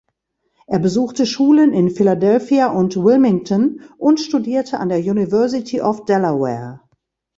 Er besuchte Schulen in Philadelphia und Wilmington und studierte an der University of Delaware.